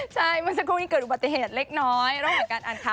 ใช่มันสักครู่นี้เกิดอุบัติเหตุเล็กน้อยรู้ไหมกันอันคะ